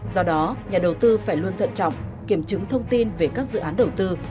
do đó nhà đầu tư phải luôn thận trọng kiểm chứng thông tin về các dự án đầu tư